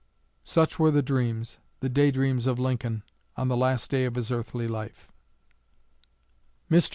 Such were the dreams, the day dreams of Lincoln, on the last day of his earthly life." Mr.